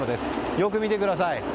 よく見てみてください。